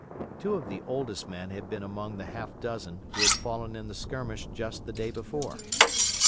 Two of the oldest men had been among the half dozen who had fallen in the skirmish just the day before.